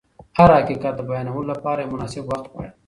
هر حقیقت د بیانولو لپاره یو مناسب وخت غواړي.